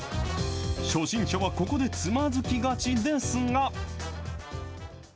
初心者はここでつまずきがちですが。